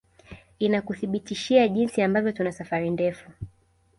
Inakuthibitishia jinsi ambavyo tuna safari ndefu